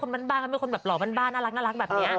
ความนาเดชน่อน้ารัก